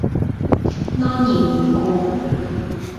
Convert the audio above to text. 安然如故